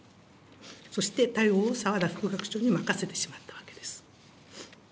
そして対応を澤田副学長に任せてしまったわけです。